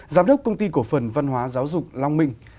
giám đốc công ty cổ phần văn hóa giáo dục long minh